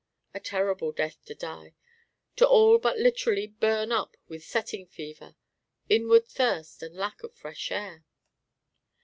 A terrible death to die, to all but literally burn up with "setting fever," inward thirst and lack of fresh air.